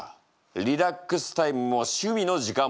リラックスタイムも趣味の時間もない。